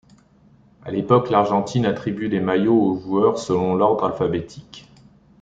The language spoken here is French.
À l'époque l'Argentine attribue les maillots aux joueurs selon leur ordre alphabétique.